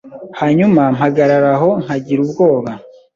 Hanyuma mpagarara aho nkagira ubwoba